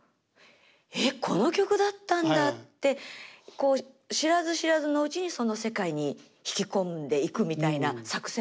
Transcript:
えっこの曲だったんだ」ってこう知らず知らずのうちにその世界に引き込んでいくみたいな作戦を。